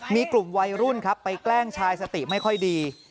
มีกลุ่มวัยรุ่นครับไปแกล้งชายสติไม่ค่อยดี